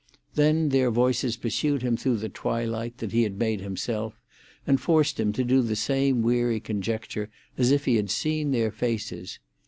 Then their voices pursued him through the twilight that he had made himself, and forced him to the same weary conjecture as if he had seen their faces.